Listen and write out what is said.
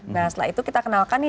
nah setelah itu kita kenalkan nih